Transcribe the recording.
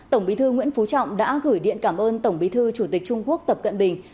tổng bí thư nguyễn phú trọng đã gửi điện cảm ơn tổng bí thư chủ tịch trung quốc tập cận bình